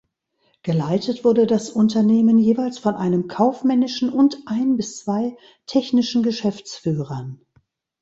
Geleitet wurde das Unternehmen jeweils von einem kaufmännischen und ein bis zwei technischen Geschäftsführern.